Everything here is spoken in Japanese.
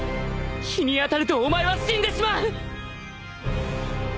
日に当たるとお前は死んでしまう！